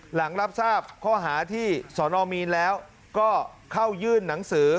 หลังรับทราบข้อหาที่สนมีนแล้วก็เข้ายื่นหนังสือ